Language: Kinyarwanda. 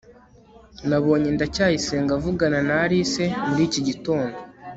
nabonye ndacyayisenga avugana na alice muri iki gitondo